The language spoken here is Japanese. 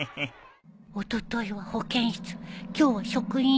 おとといは保健室今日は職員室